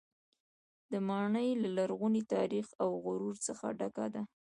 دا ماڼۍ له لرغوني تاریخ او غرور څخه ډکه ده.